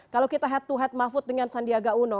kalau kita head to head mahfud dengan sandiaga uno